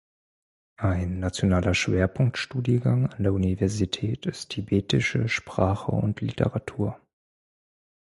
Ein nationaler Schwerpunkt-Studiengang an der Universität ist Tibetische Sprache und Literatur.